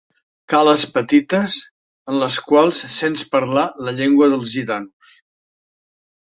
Cales petites en les quals sents parlar la llengua dels gitanos.